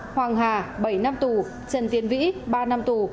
hoàng hà bảy năm tù trần tiến vĩ ba năm tù